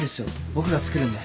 僕が作るんで。